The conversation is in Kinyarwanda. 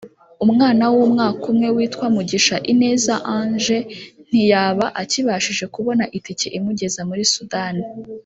umwana w’umwaka umwe witwa Mugisha Ineza Ange ntiyaba akibashije kubona itike imugeza muri Sudani